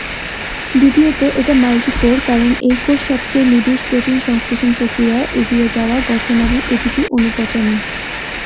দ্বিতীয়ত, এটা মাল্টি-কোর, কারণ এই কোষ সবচেয়ে নিবিড় প্রোটিন সংশ্লেষণ প্রক্রিয়া এগিয়ে যাওয়া, গঠন এবং এটিপি অণু পচানি।